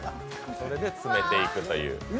それで詰めていくという。